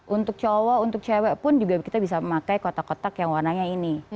untuk cowok untuk cewek pun juga kita bisa memakai kotak kotak yang warnanya ini